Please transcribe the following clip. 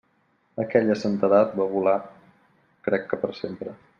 Aquella santedat va volar, crec que per sempre.